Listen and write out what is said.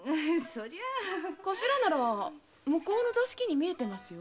頭なら向こうの座敷に見えてますよ。